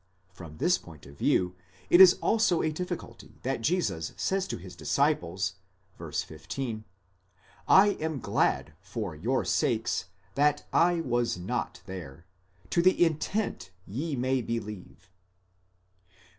*4. From this point of view, it is also a difficulty that Jesus says to his disciples (v. 15) J am glad for your sakes that 1 was not there, to the intent ye may believe (ἵνα πιστεύσητε).